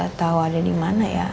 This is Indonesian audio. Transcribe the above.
aku sih gak tau ada dimana ya